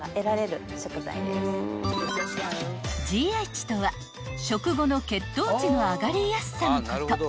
［ＧＩ値とは食後の血糖値の上がりやすさのこと］